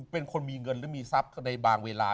เป็นคนมีเงินหรือมีทรัพย์ในบางเวลา